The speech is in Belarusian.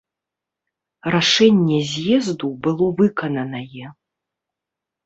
Рашэнне з'езду было выкананае.